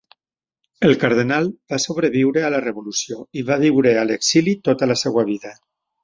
El cardenal va sobreviure a la revolució i va viure a l'exili tota la seva vida.